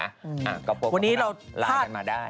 อ่าก็พบกับคุณรายได้มาได้